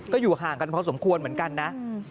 ก็อยู่ห่างกันพอสมควรเหมือนกันนะ